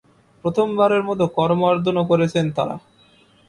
প্রথমবারের মতো করমর্দনও করেছেন তাঁরা।